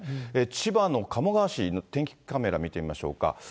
千葉の鴨川市の天気カメラ見てみましょうか。